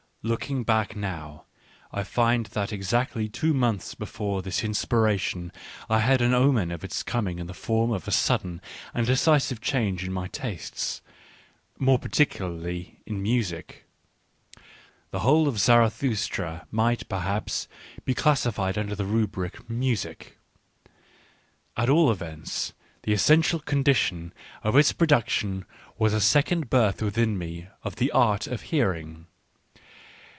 Looking back now, I find that exactly two months before this inspira tion I had an omen of its coming in the form of a sudden and decisive change in my tastes — more particularly in music. The whole of Zarathustra might perhaps be classified under the rubric jn,usic. At all eventSjj!i£_essential condition oF its produc tion was asecond birth within" me of the art of hearing.